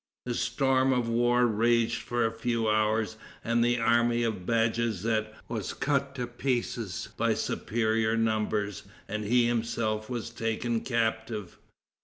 The storm of war raged for a few hours, and the army of Bajazet was cut to pieces by superior numbers, and he himself was taken captive.